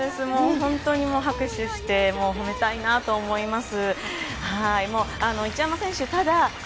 本当に拍手して褒めたいなと思います。